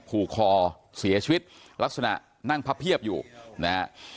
ผูกคอเสียชีวิตลักษณะนั่งพับเพียบอยู่นะฮะ